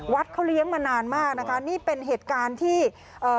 เขาเลี้ยงมานานมากนะคะนี่เป็นเหตุการณ์ที่เอ่อ